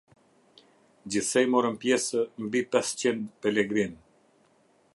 Gjithsej morën pjesë mbi pesëqind pelegrinë.